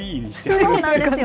そうなんですよ。